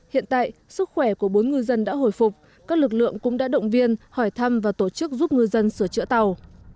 hiện tại sức khỏe của bốn ngư dân đã hồi phục các lực lượng cũng đã động viên hỏi thăm và tổ chức giúp ngư dân sửa chữa tàu